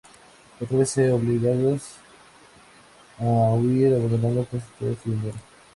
Otra vez se ven obligados a huir, abandonando casi todo su dinero.